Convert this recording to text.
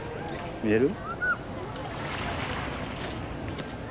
見える？